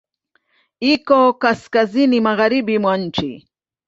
Iko kaskazini magharibi mwa nchi.